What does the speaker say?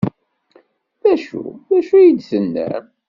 D acu? D acu ay d-tennam?